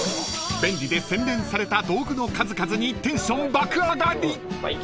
［便利で洗練された道具の数々にテンション爆上がり！］